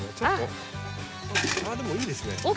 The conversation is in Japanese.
あっでもいいですね。